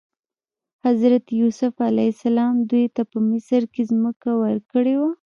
حضرت یوسف علیه السلام دوی ته په مصر کې ځمکه ورکړې وه.